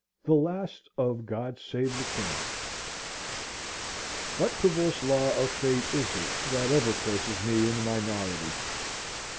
The Last of God Save the King What perverse law of Fate is it that ever places me in a minority?